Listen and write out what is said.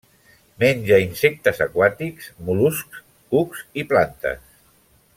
Menja insectes aquàtics, mol·luscs, cucs i plantes.